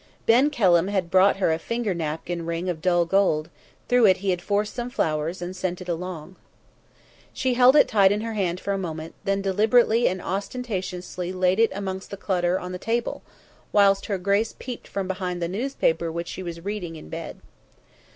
Ben Kelham had bought her a finger napkin ring of dull gold; through it he had forced some flowers, and sent it along. She held it tight in her hand for a moment, then deliberately and ostentatiously laid it amongst the clutter on the table, whilst her grace peeped from behind the newspaper which she was reading in bed.